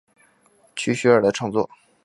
区雪儿的创作。